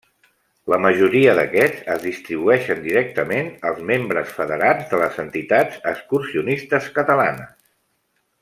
La majoria d'aquests es distribueixen directament als membres federats de les entitats excursionistes catalanes.